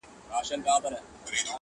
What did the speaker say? په سونډو کي چي ولگېدی زوز په سجده کي~